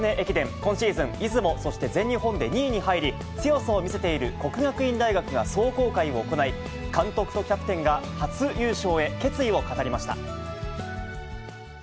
今シーズン、出雲、そして全日本で２位に入り、強さを見せている國學院大学が壮行会を行い、監督とキャプテンが初優勝へ決意を語りました。